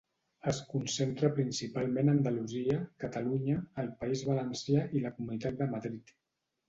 Es concentra principalment a Andalusia, Catalunya, el País Valencià i la Comunitat de Madrid.